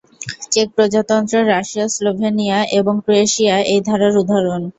Check প্রজাতন্ত্র, Russia, Slovenia, এবং Croatia এই ধারার উদাহরণ।